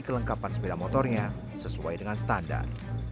kelengkapan sepeda motornya sesuai dengan standar